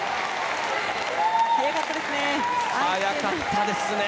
早かったですね。